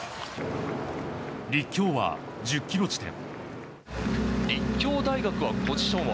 立教は１０ｋｍ地点。